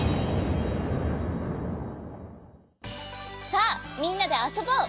さあみんなであそぼう！